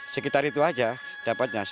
sekitar itu aja dapatnya